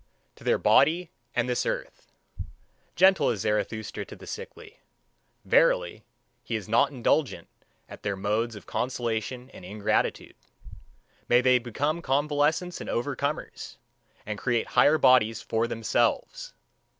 To their body and this earth. Gentle is Zarathustra to the sickly. Verily, he is not indignant at their modes of consolation and ingratitude. May they become convalescents and overcomers, and create higher bodies for themselves!